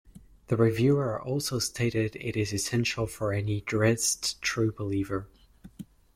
The reviewer also stated it is essential for any "Drizzt true believer".